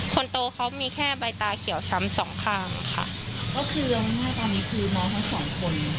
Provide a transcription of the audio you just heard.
คนโตเขามีแค่ใบตาเขียวช้ำสองข้างค่ะก็คือเอาง่ายตอนนี้คือน้องทั้งสองคน